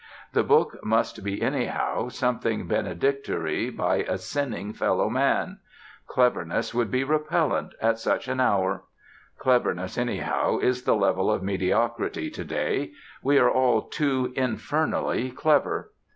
The book must be, anyhow, something benedictory by a sinning fellow man. Cleverness would be repellent at such an hour. Cleverness, anyhow, is the level of mediocrity to day; we are all too infernally clever.